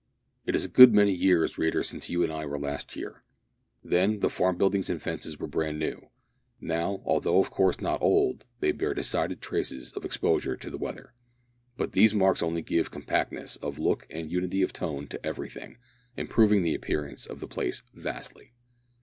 It is a good many years, reader, since you and I were last here. Then, the farm buildings and fences were brand new. Now, although of course not old, they bear decided traces of exposure to the weather. But these marks only give compactness of look and unity of tone to everything, improving the appearance of the place vastly.